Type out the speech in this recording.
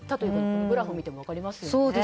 このグラフを見ても分かりますね。